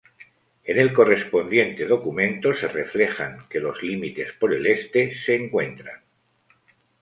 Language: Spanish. En el correspondiente documento se reflejan que los límites por el este se encuentran.